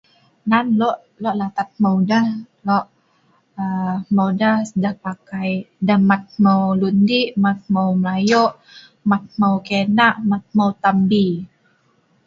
Nan lok latat hmeu deh, deh pakai mat hmeu lun dik, mat hmeu lun di'ik, mat hmeu lun ke'naa, mat hmeu lun tambi